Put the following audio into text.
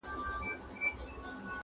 نه تر ستوني یې سو کښته تېرولالی،